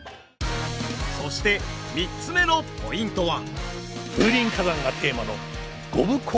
そして３つ目のポイントは。